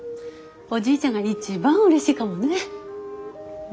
おじいちゃんが一番うれしいかもね。